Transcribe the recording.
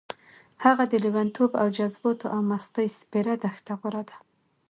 هغه د لېونتوب او جذباتو او مستۍ سپېره دښته غوره ده.